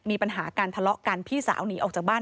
มีปัญหาการทะเลาะกันพี่สาวหนีออกจากบ้าน